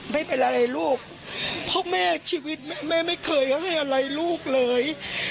ไม่เป็นไรลูกเพราะแม่ชีวิตแม่ไม่เคยให้อะไรลูกเลย